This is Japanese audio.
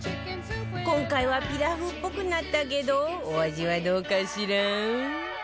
今回はピラフっぽくなったけどお味はどうかしら？